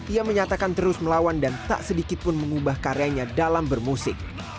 ia menyatakan terus melawan dan tak sedikit pun mengubah karyanya dalam bermusik